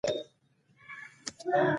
پړانګ څنګه ځان پټوي؟